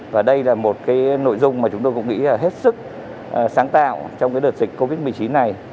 và đây là một cái nội dung mà chúng tôi cũng nghĩ là hết sức sáng tạo trong đợt dịch covid một mươi chín này